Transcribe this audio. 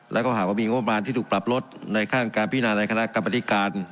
แล้วก็หากว่ามีงบประมาณที่ถูกปรับลดในข้างการพินาในคณะกรรมธิการ